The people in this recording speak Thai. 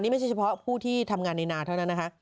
ไม่ใช่เฉพาะผู้ที่ทำงานในนาเท่านั้นนะคะ